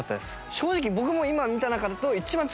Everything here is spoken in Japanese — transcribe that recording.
正直僕も。